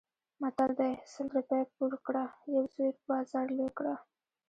متل دی: سل روپۍ پور کړه یو زوی په بازار لوی کړه.